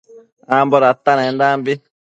Ambo datanendanbi